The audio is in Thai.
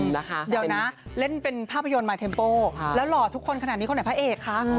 เดี๋ยวนะเล่นเป็นภาพยนตร์มายเทมโป้แล้วหล่อทุกคนขนาดนี้คนไหนพระเอกคะ